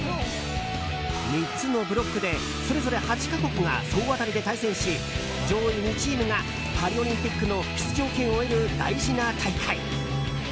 ３つのブロックでそれぞれ８か国が総当たりで対戦し上位２チームがパリオリンピックの出場権を得る大事な大会。